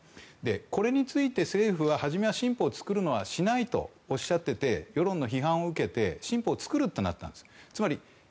これについて政府は初めは新法を作ることはしないとおっしゃっていて世論の批判を受けて新法を作るってなったんです。